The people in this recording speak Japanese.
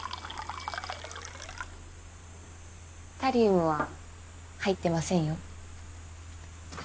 タリウムは入ってませんよ